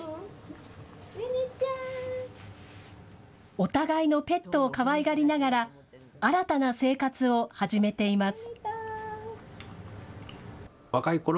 お互いのペットをかわいがりながら新たな生活を始めています。